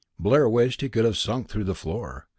Blair wished he could have sunk through the floor.